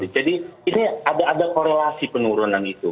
jadi ini ada korelasi penurunan itu